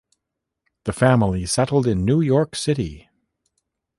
The family settled in New York City.